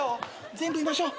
全部言いましょう。